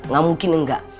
gak mungkin enggak